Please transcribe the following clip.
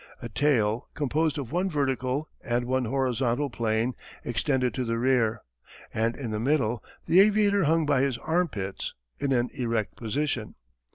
A tail composed of one vertical and one horizontal plane extended to the rear, and in the middle the aviator hung by his armpits, in an erect position.